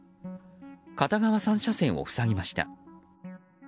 片側３車線を塞ぎました。